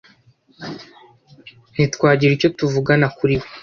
ntitwagira icyo tuvugana kuriwe